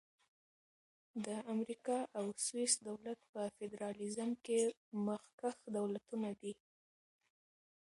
د امریکا او سویس دولت په فدرالیزم کښي مخکښ دولتونه دي.